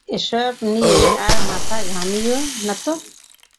এসব নিয়ে আর মাথা ঘামিয়ো নাতো!